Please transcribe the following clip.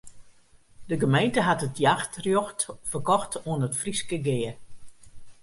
De gemeente hat it jachtrjocht ferkocht oan it Fryske Gea.